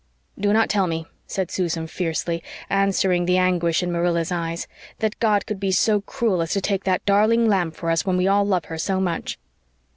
"Do not tell me," said Susan fiercely, answering the anguish in Marilla's eyes, "that God could be so cruel as to take that darling lamb from us when we all love her so much."